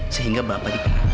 sehingga bapak dipingatkan